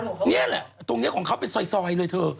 นี่แหละตรงนี้ของเขาเป็นซอยเลยเธอ